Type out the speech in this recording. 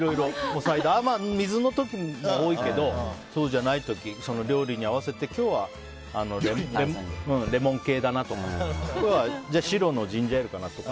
水の時も多いけどそうじゃない時料理に合わせて今日はレモン系だなとか今日は白のジンジャーエールかなとか。